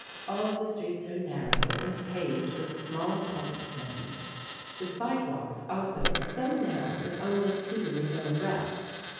All the streets are narrow, and paved with small cobblestones. The sidewalks also are so narrow that only two may go abreast.